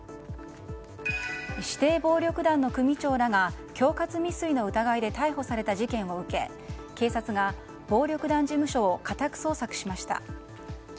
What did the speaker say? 指定暴力団の組長らが恐喝未遂で逮捕された事件を受け警察が暴力団事務所を家宅捜索しました。